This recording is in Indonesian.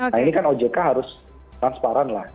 nah ini kan ojk harus transparan lah